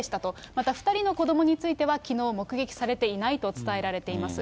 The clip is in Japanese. また２人の子どもについては、きのう目撃されていないと伝えられています。